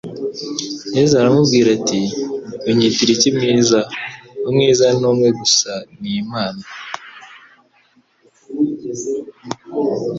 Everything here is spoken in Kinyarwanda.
Yesu aramubwira ati : "Unyitira iki mwiza? Umwiza ni umwe gusa ni Imana."